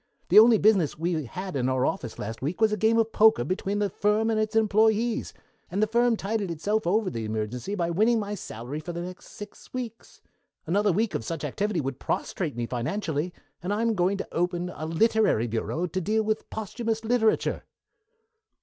The only business we had in our office last week was a game of poker between the firm and its employés, and the firm tided itself over the emergency by winning my salary for the next six weeks. Another week of such activity would prostrate me financially, and I am going to open a literary bureau to deal in posthumous literature."